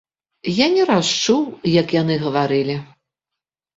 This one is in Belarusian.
Я не раз чуў, як яны гаварылі.